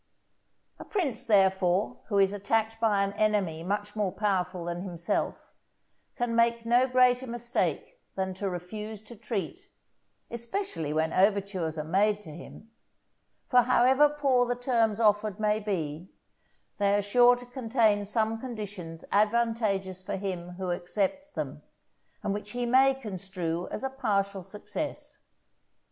A prince, therefore, who is attacked by an enemy much more powerful than himself, can make no greater mistake than to refuse to treat, especially when overtures are made to him; for however poor the terms offered may be, they are sure to contain some conditions advantageous for him who accepts them, and which he may construe as a partial success.